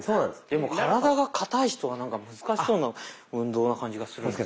でも体がかたい人はなんか難しそうな運動な感じがするんですけど。